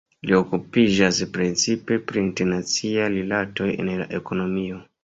Li okupiĝas precipe pri internaciaj rilatoj en la ekonomio.